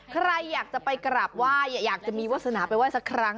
ใครอยากจะไปกราบไหว้อยากจะมีวาสนาไปไห้สักครั้ง